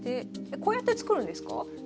こうやって作るんですか？